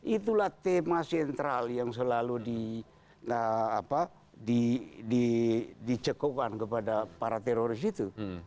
itulah tema sentral yang selalu dicekukan kepada para teroris itu